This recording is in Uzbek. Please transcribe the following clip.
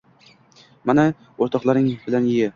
Mana, o‘rtoqlaring bilan ye.